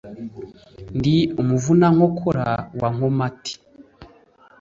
ndi umuvunankokora wa nkomati